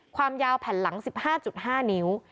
ความยาวแผ่นหลัง๑๕๕นิ้ว